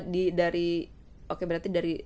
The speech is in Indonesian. dari oke berarti dari